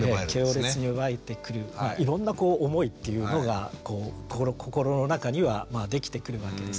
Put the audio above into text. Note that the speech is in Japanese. いろんなこう思いっていうのが心の中にはできてくるわけです。